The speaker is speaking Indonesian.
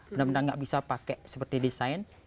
benar benar nggak bisa pakai seperti desain